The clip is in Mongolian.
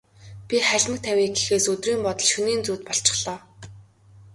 Би халимаг тавья гэхээс өдрийн бодол, шөнийн зүүд болчихлоо.